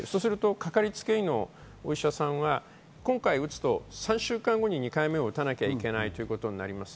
かかりつけ医のお医者さんは今回打つと３週間後に２回目を打たなきゃいけないということになります。